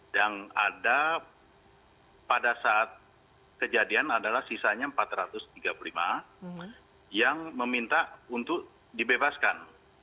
dan ada pada saat kejadian adalah sisanya empat ratus tiga puluh lima yang meminta untuk dibebaskan